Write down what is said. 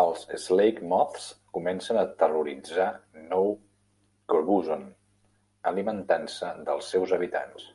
Els "slakemoths" comencen a terroritzar Nou Crobuzon, alimentant-se dels seus habitants.